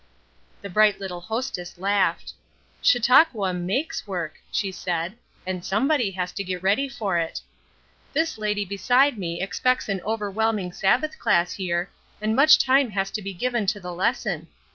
The bright little hostess laughed. "Chautauqua makes work," she said, "and somebody has to get ready for it. This lady beside me expects an overwhelming Sabbath class here, and much time has to be given to the lesson.